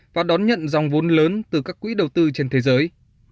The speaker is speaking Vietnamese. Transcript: và đón nhận dòng vốn lớn từ các quỹ đầu tư trên thế giới